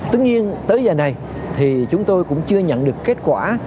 tất nhiên tới giờ này thì chúng tôi cũng chưa nhận được kết quả